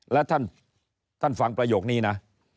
และท่านฟังประโยคนี้นะ